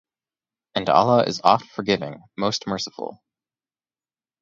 And Allah is Oft-Forgiving, Most Merciful.